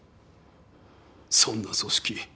そんな組織